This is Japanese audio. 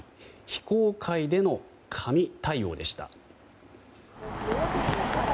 非公開での紙対応でした。